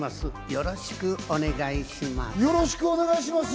よろしくお願いします。